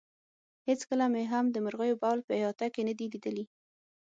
هېڅکله مې هم د مرغیو بول په احاطه کې نه دي لیدلي.